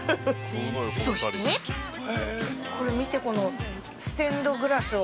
◆そして◆これ見て、この、ステンドグラスを。